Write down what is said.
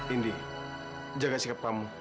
indi jaga sikap kamu